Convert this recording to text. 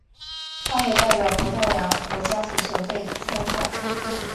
他也代表葡萄牙国家足球队参赛。